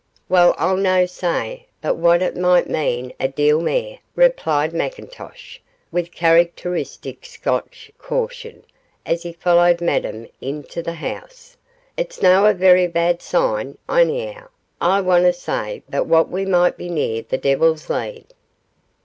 'Well, I'll no say but what it micht mean a deal mair,' replied McIntosh, with characteristic Scotch caution, as he followed Madame into the house; 'it's no a verra bad sign, onyhow; I winna say but what we micht be near the Devil's Lead.